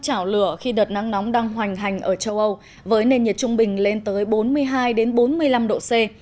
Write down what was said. chảo lửa khi đợt nắng nóng đang hoành hành ở châu âu với nền nhiệt trung bình lên tới bốn mươi hai bốn mươi năm độ c